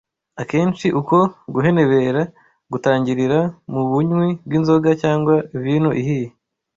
Akenshi uko guhenebera gutangirira mu bunywi bw’inzoga cyangwa vino ihiye.